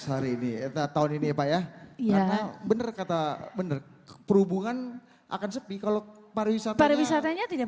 hari ini tahun ini ya pak ya karena bener kata bener perhubungan akan sepi kalau pariwisata pariwisatanya tidak